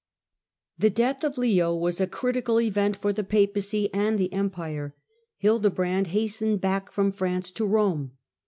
The death of Leo was a critical event for the Papacy and the Empire. Hildebrand hastened back from France to Rome.